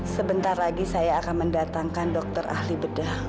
sebentar lagi saya akan mendatangkan dokter ahli bedah